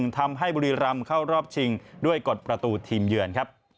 ทำให้บุรีรัมเข้ารอบชิงด้วยกดประตูทีมเยือน